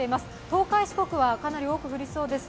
東海・四国はかなり多く降りそうです。